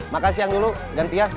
makan siang dulu ganti ya